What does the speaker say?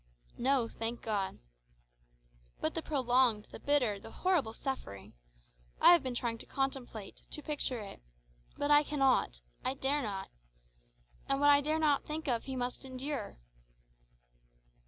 "No; thank God." "But the prolonged, the bitter, the horrible suffering! I have been trying to contemplate, to picture it but I cannot, I dare not. And what I dare not think of, he must endure."